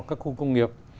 các khu công nghiệp